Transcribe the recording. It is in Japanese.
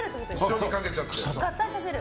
合体させる。